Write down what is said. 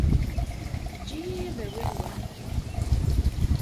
Eǧǧ-iyi ad awiɣ wa.